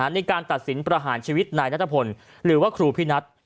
ในการตัดสินประหารชีวิตนายนัทพลหรือว่าครูพินัท